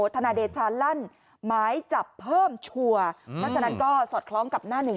ทนายเดชาลั่นหมายจับเพิ่มชัวร์เพราะฉะนั้นก็สอดคล้องกับหน้าหนึ่ง